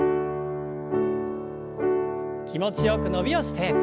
気持ちよく伸びをして。